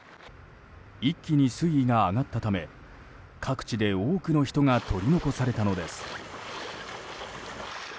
一気に水位が上がったため各地で多くの人が取り残されたのです。